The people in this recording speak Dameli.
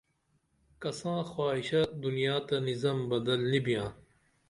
کساں حواہشہ دنیا تہ نِظم بدل نی بیاں